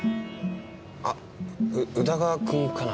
あ宇田川君かな。